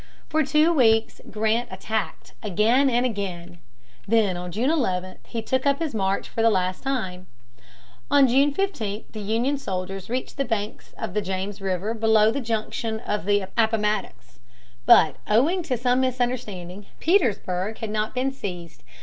For two weeks Grant attacked again and again. Then on June 11 he took up his march for the last time. On June 15 the Union soldiers reached the banks of the James River below the junction of the Appomattox. But, owing to some misunderstanding, Petersburg had not been seized.